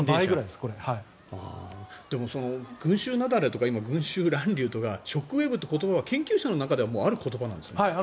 でも、群衆雪崩とか群衆乱流とかショックウェーブというのは研究者の中ではある言葉なんですね。